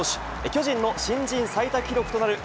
巨人の新人最多記録となる